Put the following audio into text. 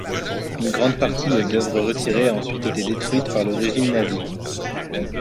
Une grande partie des œuvres retirées a ensuite été détruite par le régime nazi.